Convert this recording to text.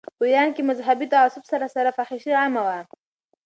په ایران کې د مذهبي تعصب سره سره فحاشي عامه وه.